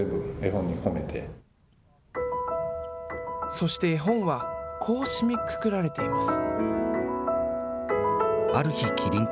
そして絵本はこう締めくくられています。